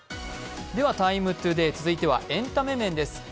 「ＴＩＭＥ，ＴＯＤＡＹ」続いてはエンタメ面です。